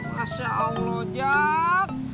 masya allah jack